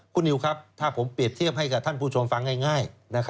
คุณนิวครับถ้าผมเปรียบเทียบให้กับท่านผู้ชมฟังง่าย